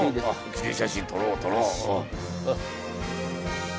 記念写真撮ろう撮ろう。